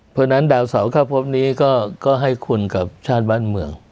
เพราะฉะนั้นดาวเสาเข้าพบนี้ก็ให้คุณกับชาติบ้านเมือง